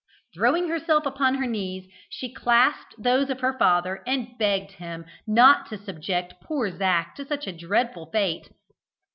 Throwing herself upon her knees, she clasped those of her father, and begged him not to subject poor Zac to such a dreadful fate.